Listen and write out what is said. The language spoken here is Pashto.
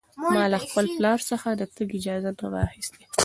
ما له خپل پلار څخه د تګ اجازه نه وه اخیستې.